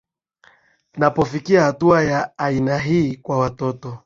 napofikia hatua ya aina hii kwa watoto